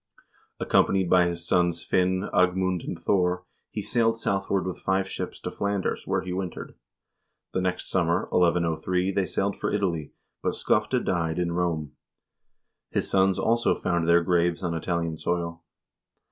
Accompanied by his sons Finn, Agmund, and Thor, he sailed southward with five ships to Flanders, where he wintered. The next summer (1103) they sailed for Italy, but Skofte died in Rome. His sons also found their graves on Italian soil.